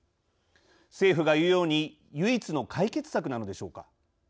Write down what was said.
政府がいうように唯一の解決策なのでしょうか。